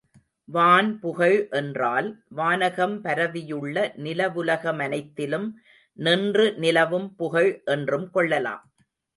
வான் புகழ் என்றால், வானகம் பரவியுள்ள நிலவுலகமனைத்திலும் நின்று நிலவும் புகழ் என்றும் கொள்ளலாம்.